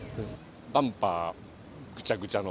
バンパー、ぐちゃぐちゃの。